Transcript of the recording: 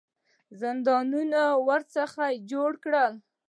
زندانونه یې ورڅخه جوړ کړل.